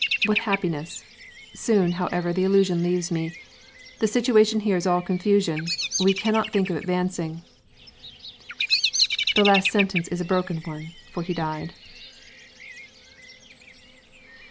What happiness! Soon, however, the illusion leaves me. The situation here is still all confusion; we cannot think of advancing " The last sentence is a broken one. For he died.